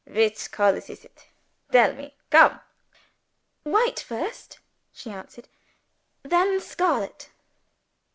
Which colors is it? Tell me. Come!" "White first," she answered. "Then scarlet."